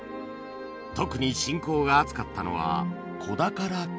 特に信仰が厚かったのは子宝祈願